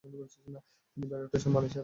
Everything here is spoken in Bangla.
তিনি বেড়ে উঠেছেন মালয়েশিয়াতেই।